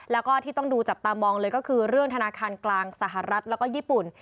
และถึงต้องดูจับตามองเรื่องธนาคารกลางสหรัฐและญี่ปุ่น